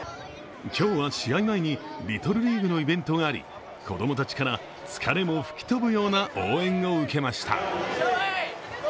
今日は試合前にリトルリーグのイベントがあり、子供たちから、疲れも吹き飛ぶような応援を受けました。